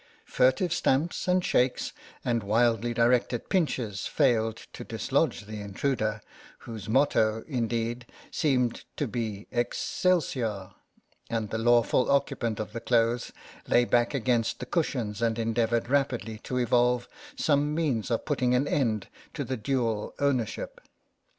Furtive stamps and shakes and wildly directed pinches failed to dislodge the intruder, whose motto, indeed, seemed to be Excelsior; and the lawful occupant of the clothes lay back against the cushions and endeavoured rapidly to evolve some means for putting an end to the dual owner ship.